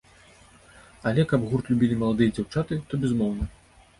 Але каб гурт любілі маладыя дзяўчаты, то, безумоўна.